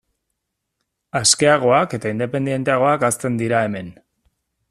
Askeagoak eta independenteagoak hazten dira hemen.